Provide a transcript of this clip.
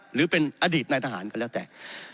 หรือเป็นอดีตนายทหารก็แล้วแต่